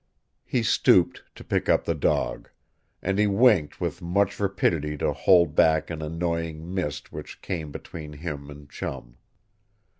He stooped to pick up the dog; and he winked with much rapidity to hold back an annoying mist which came between him and Chum.